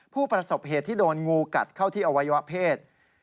ผู้ประสบเหตุที่โดนงูกัดเข้าที่อวัยวะเพศ